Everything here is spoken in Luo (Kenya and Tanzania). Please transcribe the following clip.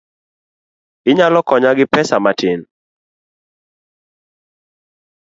Inyalo konya gi pesa matin?